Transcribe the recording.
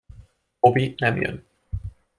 Bobby nem jön!